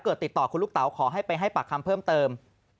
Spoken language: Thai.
ติดต่อคุณลูกเต๋าขอให้ไปให้ปากคำเพิ่มเติม